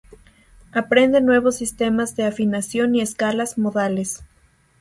Aprende nuevos sistemas de afinación y escalas modales.